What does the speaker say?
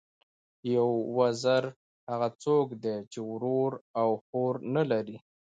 یو وزری، هغه څوک دئ، چي ورور او خور نه لري.